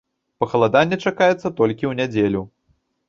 Пахаладанне чакаецца толькі ў нядзелю.